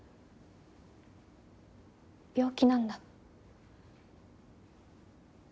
病気なんだ。